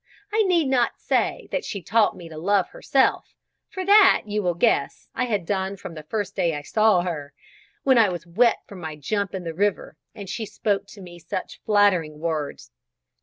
I need not say that she taught me to love herself, for that you will guess I had done from the first day I saw her, when I was wet from my jump in the river, and she spoke to me such flattering words.